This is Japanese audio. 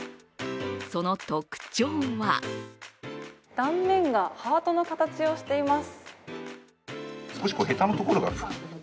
その特徴は断面がハートの形をしています。